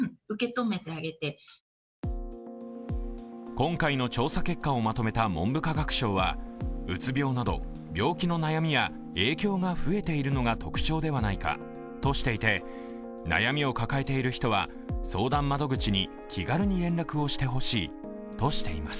今回の調査結果をまとめた文部科学省はうつ病など病気の悩みや影響が増えているのが特徴ではないかとしていて、悩みを抱えている人は相談窓口に気軽に連絡をしてほしいとしています。